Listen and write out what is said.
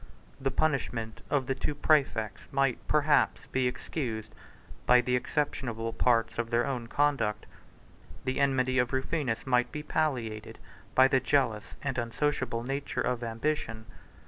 7 The punishment of the two præfects might, perhaps, be excused by the exceptionable parts of their own conduct; the enmity of Rufinus might be palliated by the jealous and unsociable nature of ambition.